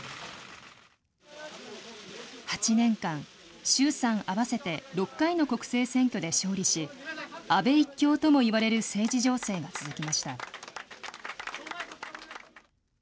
８年間、衆参合わせて６回の国政選挙で勝利し、安倍一強ともいわれる政治情勢が続きました。